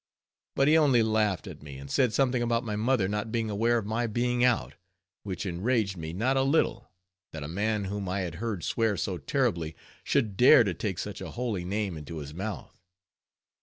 But he only laughed at me, and said something about my mother not being aware of my being out; which enraged me not a little, that a man whom I had heard swear so terribly, should dare to take such a holy name into his mouth.